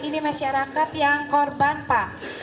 ini masyarakat yang korban pak